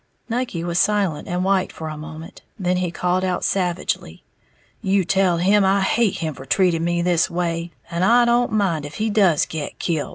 Nucky was silent and white for a moment; then he called out savagely, "You tell him I hate him for treating me this way, and I don't mind if he does get kilt!"